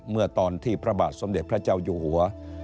เมื่อตอนที่พระบาทสมเด็จพระเจ้าอยู่หัว